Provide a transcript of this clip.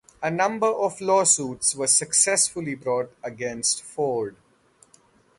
A number of lawsuits were successfully brought against Ford.